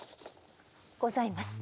ございます。